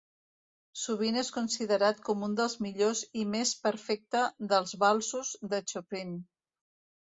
Sovint és considerat com un dels millors i més perfecte dels valsos de Chopin.